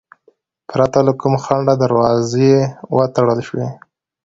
پرته له کوم ځنډه دروازې وتړل شوې.